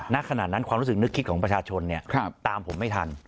ณขณะนั้นความรู้สึกนึกคิดของประชาชนตามผมไม่ทัน